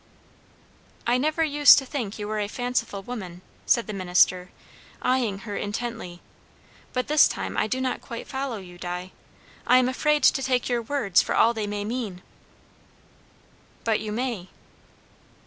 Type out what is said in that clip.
"I never used to think you were a fanciful woman," said the minister, eyeing her intently, "but this time I do not quite follow you, Di. I am afraid to take your words for all they may mean." "But you may."